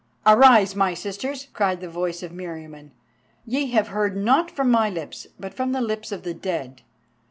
"Arise, my sisters!" cried the voice of Meriamun. "Ye have heard not from my lips, but from the lips of the dead.